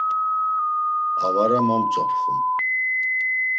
Avara momtzopxum.